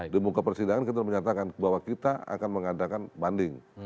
di muka persidangan kita menyatakan bahwa kita akan mengadakan banding